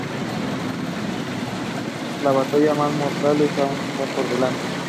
Su batalla más mortal aún está por delante.